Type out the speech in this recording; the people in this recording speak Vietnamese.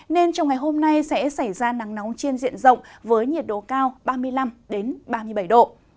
nên trong ngày hôm nay sẽ xảy ra nắng nóng chiên diện rộng với nhiệt độ cao ba mươi năm ba mươi bảy độ